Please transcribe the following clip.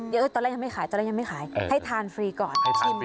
เดี๋ยวตอนแรกยังไม่ขายให้ทานฟรีก่อน